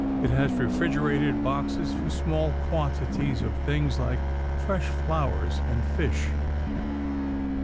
It has refrigerated boxes for small quantities of things like fresh flowers and fish.